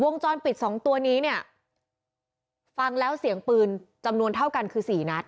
จรปิดสองตัวนี้เนี่ยฟังแล้วเสียงปืนจำนวนเท่ากันคือสี่นัด